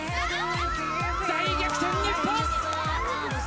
大逆転日本！